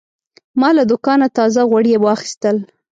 ما له دوکانه تازه غوړي واخیستل.